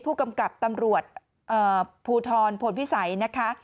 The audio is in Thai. ผู้กำกับตำรวจภูทรพลพิสัยนะคะ